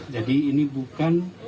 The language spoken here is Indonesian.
jadi ini bukan